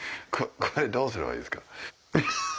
これどうすればいいですか？